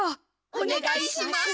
おねがいします！